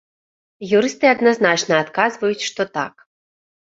Юрысты адназначна адказваюць, што так.